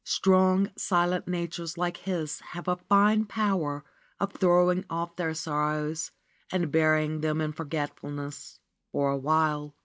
Strong, silent natures like his have a fine power of throwing off their sorrows and burying them in forget fulness for a while.